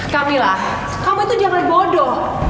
kamilah kamu itu jangan bodoh